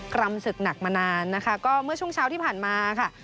กรรมศึกหนักมานานนะคะก็เมื่อช่วงเช้าที่ผ่านมาค่ะ